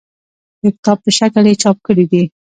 د کتاب په شکل یې چاپ کړي دي.